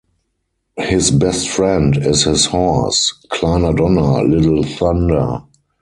His best friend is his horse, Kleiner Donner (Little Thunder).